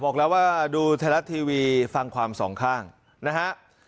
บอกแล้วว่าดูไทยรัฐทีวีฟังความสองข้างนะฮะ